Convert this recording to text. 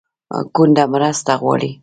کونډه مرسته غواړي